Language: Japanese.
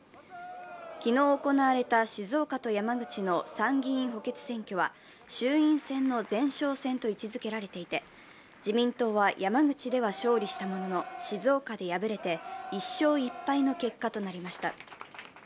昨日行われた静岡と山口の参議院補欠選挙は衆院選の前哨戦と位置づけられていて、自民党は山口では勝利したものの静岡で敗れて１勝１敗の結果となりました。